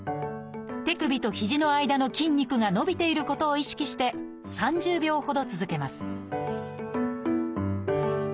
手首と肘の間の筋肉が伸びていることを意識して３０秒ほど続けます